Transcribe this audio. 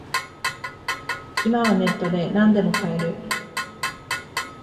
今はネットでなんでも買える